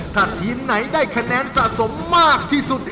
ถ้าทีมไหนได้คะแนนสะสมมากที่สุด